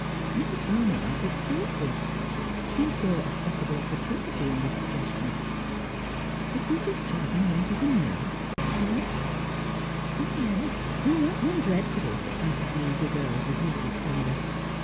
Mrs. Barnard looked thoughtful. She saw a possible oppor tunity in this suggestion. ' Is Mrs. Jebb in want of a nurse 1 ' she asked. ' Yes, we want one dreadfully,' answered the eager girl, with youthful candour.